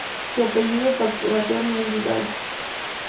Su apellido materno es Vidal.